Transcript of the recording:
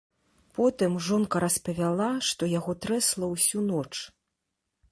Потым жонка распавяла, што яго трэсла ўсю ноч.